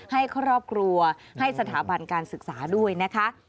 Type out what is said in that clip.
ให้ครอบครัวให้สถาบันการศึกษาด้วยนะคะ